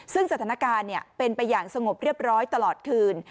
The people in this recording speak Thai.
ซึ่งสถานการณ์เป็นไปอย่างสงบเรียบร้อยตลอดคืน